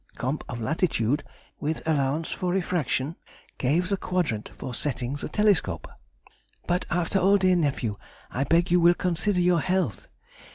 —comp. of latitude, with allowance for refraction, gave the quadrant for setting the telescope. But after all, dear Nephew, I beg you will consider your health.